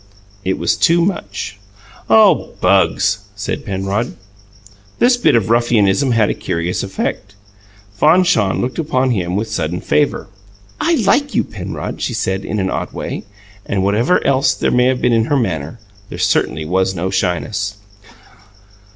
It was too much. "Oh, Bugs!" said Penrod. This bit of ruffianism had a curious effect. Fanchon looked upon him with sudden favour. "I like you, Penrod!" she said, in an odd way, and, whatever else there may have been in her manner, there certainly was no shyness.